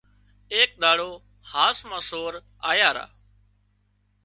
ايڪ ۮاڙو هاس مان سور آيا را